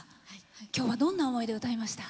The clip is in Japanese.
今日は、どんな思いで歌いました？